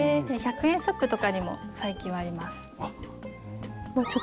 １００円ショップとかにも最近はあります。